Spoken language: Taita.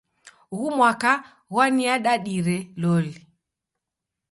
Ughu mwaka gwaniadadire loli.